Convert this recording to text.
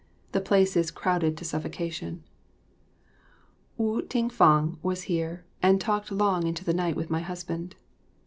The place is crowded to suffocation. [Illustration: Mylady21.] Wu Ting fang was here and talked long into the night with my husband.